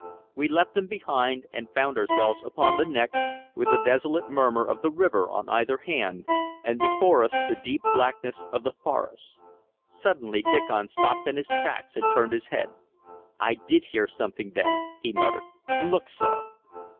We left them behind, and found ourselves upon the neck, with the desolate murmur of the river on either hand, and before us the deep blackness of the forest. Suddenly Diccon stopped in his tracks and turned his head. "I did hear something then," he muttered. "Look, sir!"